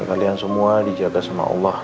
kalian semua dijaga sama allah